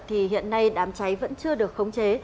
thì hiện nay đám cháy vẫn chưa được khống chế